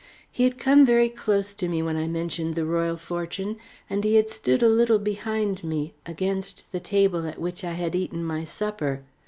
He had come very close to me when I mentioned the Royal Fortune, and he had stood a little behind me against the table at which I had eaten my supper.